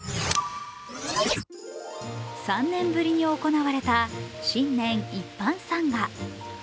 ３年ぶりに行った新年一般参賀。